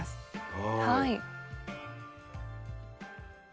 はい。